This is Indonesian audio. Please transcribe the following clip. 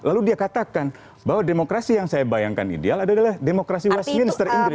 lalu dia katakan bahwa demokrasi yang saya bayangkan ideal adalah demokrasi westminster inggris